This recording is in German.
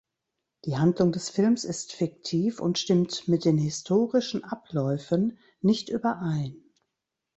Die Handlung des Films ist fiktiv und stimmt mit den historischen Abläufen nicht überein.